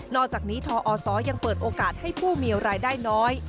อกจากนี้ทอศยังเปิดโอกาสให้ผู้มีรายได้น้อย